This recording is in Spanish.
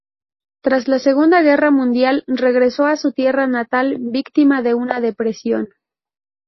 Tras la Segunda Guerra Mundial regresó a su tierra natal víctima de una depresión.